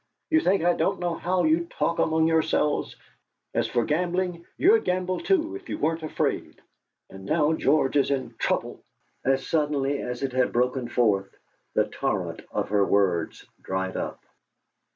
You think I don't know how you talk among yourselves! As for gambling, you'd gamble too, if you weren't afraid! And now George is in trouble " As suddenly as it had broken forth the torrent of her words dried up.